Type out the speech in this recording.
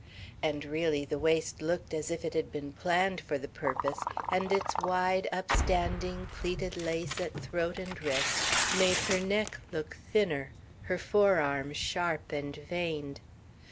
And really, the waist looked as if it had been planned for the purpose, and its wide, upstanding plaited lace at throat and wrist made her neck look thinner, her forearm sharp and veined.